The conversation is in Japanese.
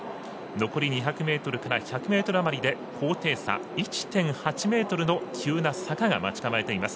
残り２００ｍから１００ｍ余りで高低差１．８ｍの急な坂が待ち構えています。